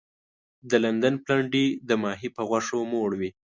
د لندن پلنډي د ماهي په غوښو موړ وي.